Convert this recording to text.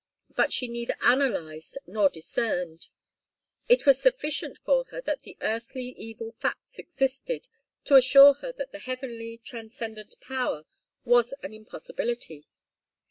But she neither analyzed nor discerned. It was sufficient for her that the earthly evil facts existed to assure her that the heavenly, transcendent Power was an impossibility.